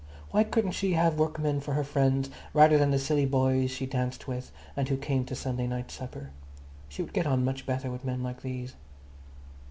Why couldn't she have workmen for her friends rather than the silly boys she danced with and who came to Sunday night supper? She would get on much better with men like these.